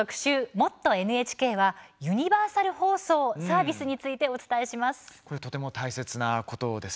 「もっとＮＨＫ」はユニバーサル放送・サービスについて、お伝えします。